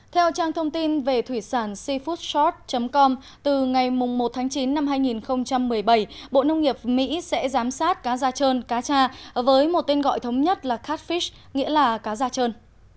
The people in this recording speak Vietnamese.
theo trang thông tin về thủy sản seafoodshort com từ ngày một chín hai nghìn một mươi bảy bộ nông nghiệp mỹ sẽ giám sát cá da trơn cá cha với một tên gọi thống nhất là catfish nghĩa là cá da trơn